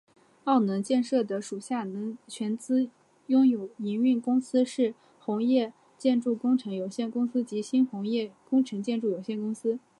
澳能建设的属下全资拥有营运公司是鸿业建筑工程有限公司及新鸿业工程建筑有限公司。